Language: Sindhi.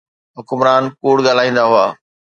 حڪمران ڪوڙ ڳالهائيندا هئا.